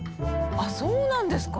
そうなんですか！